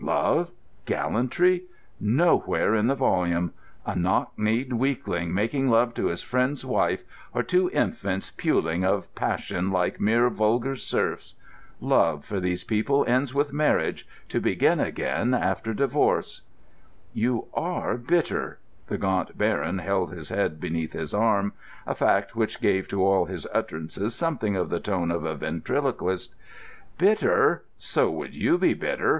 Love? Gallantry? Nowhere in the volume. A knock kneed weakling making love to his friend's wife, or two infants puling of passion like mere vulgar serfs.... Love, for these people, ends with Marriage, to begin again after Divorce." [Illustration: "'Do a cake walk, now!' 'Encore!'" (page 153).] "You are bitter." The Gaunt Baron held his head beneath his arm—a fact which gave to all his utterances something of the tone of a ventriloquist. "Bitter! So would you be bitter!